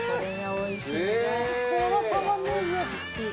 おいしいし。